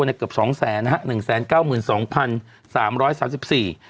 ในเกือบสองแสนนะฮะหนึ่งแสนเก้าหมื่นสองพันสามร้อยสามสิบสี่